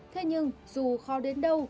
thế nhưng dù khó đến đâu